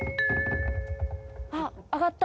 あっ上がった。